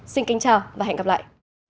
xin chào và hẹn gặp lại